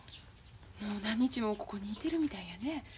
もう何日もここにいてるみたいやね。